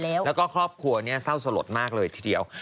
แล้วก็ครอบครัวเนี่ยเศร้าสลดมากเลยทีเดียว